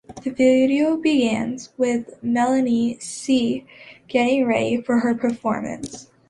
The video begins with Melanie C getting ready for her performance.